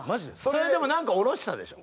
それでもなんかおろしたでしょ？